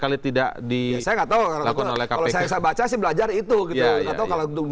kalau saya baca sih belajar itu